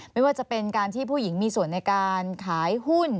ไม่ว่าจะเป็นการที่ผู้หญิงมีส่วนในการขายหุ้น